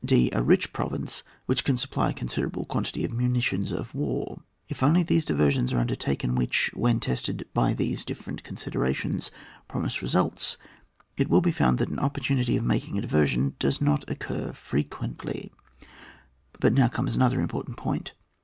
d. A rich province which can supply a considerable quantity of munitions of war. If only these diversions are undertaken, which, when tested by these different con siderations, promise results, it will be foimd that an opportunity of making a diversion does not offer frequently. But now comes another important point.